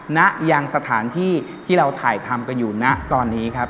ณยังสถานที่ที่เราถ่ายทำกันอยู่ณตอนนี้ครับ